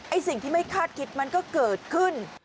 สิ่งที่ไม่คาดคิดมันก็เกิดขึ้น